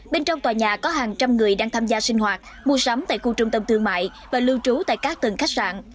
bên trong tòa nhà có hàng trăm người đang tham gia sinh hoạt mua sắm tại khu trung tâm thương mại và lưu trú tại các tầng khách sạn